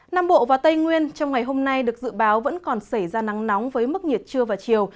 nam bộ và tây nguyên trong ngày hôm nay được dự báo vẫn còn xảy ra nắng nóng với mức nhiệt trưa và chiều